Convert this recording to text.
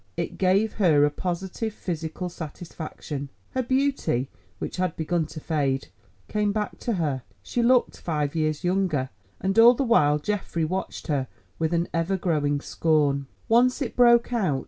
It gave her a positive physical satisfaction; her beauty, which had begun to fade, came back to her; she looked five years younger. And all the while Geoffrey watched her with an ever growing scorn. Once it broke out.